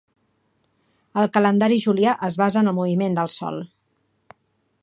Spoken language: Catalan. El calendari julià es basa en el moviment del Sol.